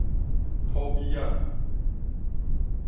土米仔